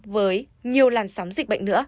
với nhiều làn sóng dịch bệnh nữa